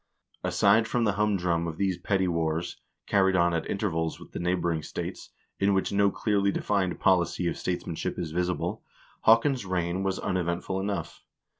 Aside from the humdrum of these petty wars, carried on at intervals with the neighboring states, in which no clearly defined policy of statesmanship is visible, Haakon's reign was un eventful enough.